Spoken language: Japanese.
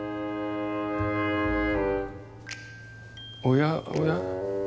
おやおや？